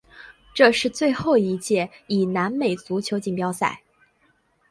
这是最后一届以南美足球锦标赛。